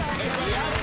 やった！